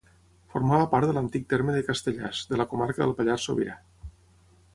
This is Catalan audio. Formava part de l'antic terme de Castellàs, de la comarca del Pallars Sobirà.